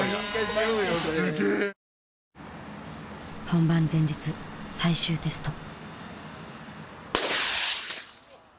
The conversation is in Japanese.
本番前日最終テスト。